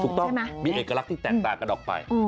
ถูกต้องมีเอกลักษณ์ที่แตกต่างกันออกไป